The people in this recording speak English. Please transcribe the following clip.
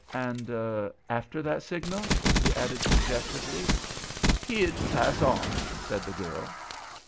"And after that signal?" he added, suggestively. "He'd pass on," said the girl.